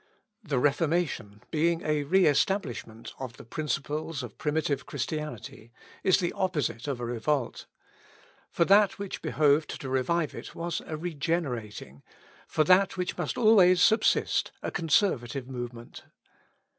The Reformation being a re establishment of the principles of primitive Christianity, is the opposite of a revolt. For that which behoved to revive it was a regenerating for that which must always subsist, a conservative movement.